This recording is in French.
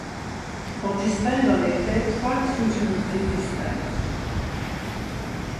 On distingue en effet trois sous-unités distinctes.